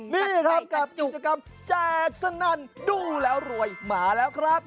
นี่ครับกับกิจกรรมแจกสนั่นดูแล้วรวยมาแล้วครับ